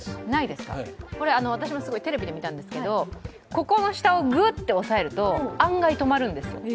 私もテレビで見たんですけど、ここの下をグッて押さえると案外止まるんですよ。